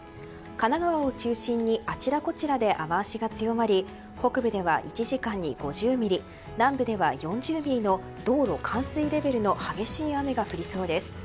神奈川を中心にあちらこちらで雨脚が強まり北部では１時間に５０ミリ南部では４０ミリの道路冠水レベルの激しい雨が降りそうです。